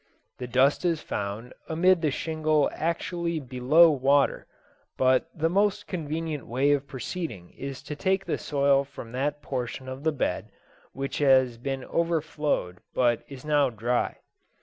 The dust is found amid the shingle actually below water, but the most convenient way of proceeding is to take the soil from that portion of the bed which has been overflowed but is now dry.